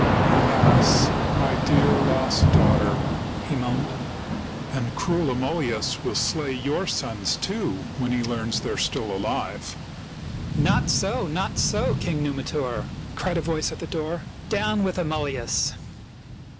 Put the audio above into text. " Alas, my dear lost daughter!" he moaned. "And cruel Amulius will slay your sons, too, when he learns they are still alive." '' Not so, not so, King Numitor !" cried a voice at the door. "Down with Amulius!"